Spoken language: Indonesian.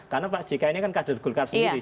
karena pak jk ini kan kader golkar sendiri